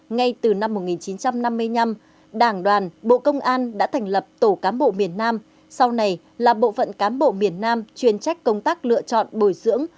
ngay từ năm một nghìn chín trăm năm mươi năm đảng đoàn bộ công an đã thành lập tổ cám bộ miền nam sau này là bộ phận cán bộ miền nam chuyên trách công tác lựa chọn bồi dưỡng